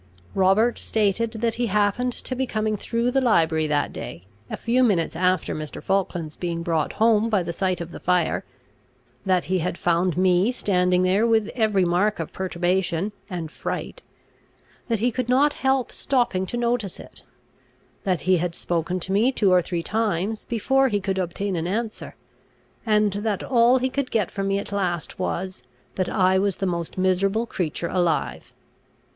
Robert stated, that he happened to be coming through the library that day, a few minutes after Mr. Falkland's being brought home by the sight of the fire; that he had found me standing there with every mark of perturbation and fright; that he could not help stopping to notice it; that he had spoken to me two or three times before he could obtain an answer; and that all he could get from me at last was, that I was the most miserable creature alive.